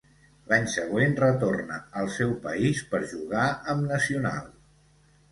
A l'any següent retorna al seu país per jugar amb Nacional.